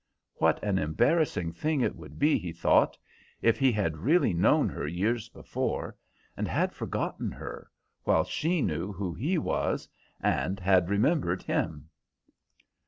What an embarrassing thing it would be, he thought, if he had really known her years before, and had forgotten her, while she knew who he was, and had remembered him.